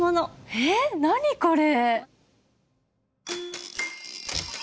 えっ何これ！？